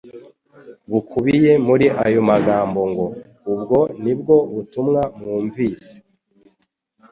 bukubiye muri ayo magambo ngo: «Ubwo ni bwo butumwa mwumvise,